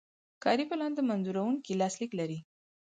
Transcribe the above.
کاري پلان د منظوروونکي لاسلیک لري.